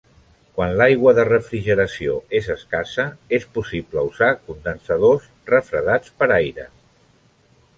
Quan l'aigua de refrigeració és escassa és possible usar condensadors refredats per aire.